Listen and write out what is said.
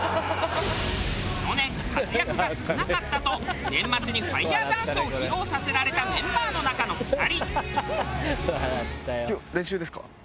去年活躍が少なかったと年末にファイヤーダンスを披露させられたメンバーの中の２人。